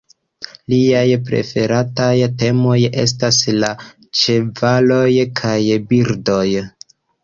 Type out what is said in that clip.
Liaj preferataj temoj estas la ĉevaloj kaj birdoj.